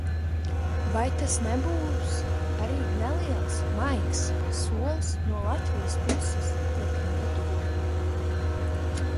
"Vai tas nebūs arī neliels "maigs" solis no Latvijas puses pret Lietuvu?"